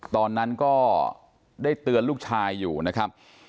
ตอนนั้นก็ได้เตือนลูกชายอยู่นะครับ